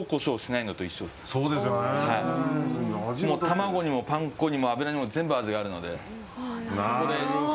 卵にもパン粉にも油にも全部味があるので。